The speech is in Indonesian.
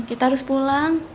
kita harus pulang